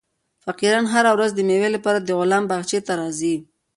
فقیران هره ورځ د مېوې لپاره د غلام باغچې ته راځي.